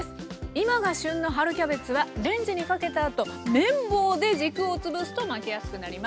今が旬の春キャベツはレンジにかけたあと麺棒で軸をつぶすと巻きやすくなります。